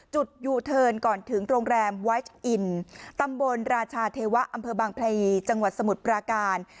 จุดยูเทิร์นก่อนถึงโรงแรมไวชอินตำบลราชาเทวะอำเภอบางพลีจังหวัดสมุทรปราการ